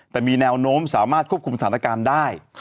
แต่มีแนวโน้มสามารถควบคุมสถานการณ์ได้